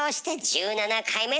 １７回目。